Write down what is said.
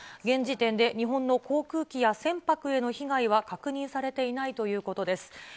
現時点で日本の航空機や船舶への被害は確認されていないということです。